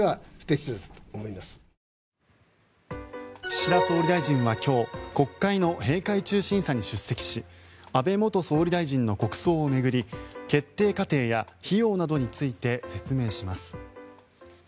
岸田総理大臣は今日国会の閉会中審査に出席し安倍元総理大臣の国葬を巡り決定過程や費用などについて説明します。